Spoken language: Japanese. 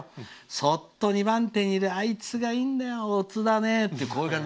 そっと２番手にいるあいつがいいんだよ、乙だねって。